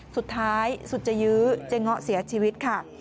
สุดท้ายสุดจะยื้อเจ๊เงาะเสียชีวิตค่ะ